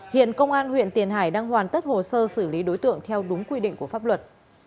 hiện công an huyện tiền hải đang hoàn tất hồ sơ xử lý đối tượng theo đúng quy định của pháp luật